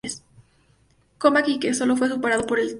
Combat y que sólo fue superado por el Sgto.